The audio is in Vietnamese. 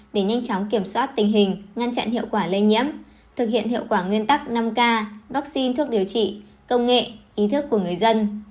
để nhanh chóng kiểm soát tình hình ngăn chặn hiệu quả lây nhiễm thực hiện hiệu quả nguyên tắc năm k vaccine thuốc điều trị công nghệ ý thức của người dân